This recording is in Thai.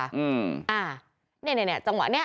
อ่าเนี่ยจังหวะนี้